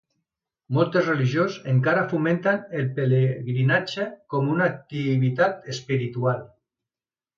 Moltes religions encara fomenten el pelegrinatge com una activitat espiritual.